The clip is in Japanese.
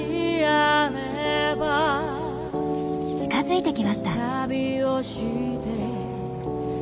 近づいてきました。